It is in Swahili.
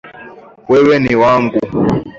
Wewe ni wangu.